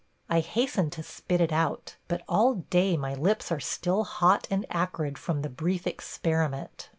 I hasten to spit it out, but all day my lips are still hot and acrid from the brief experiment.